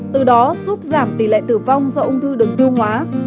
từ đó giúp giảm tỷ lệ tử vong do ung thư đường tiêu hóa